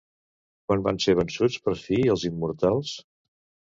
Quan van ser vençuts per fi els Immortals?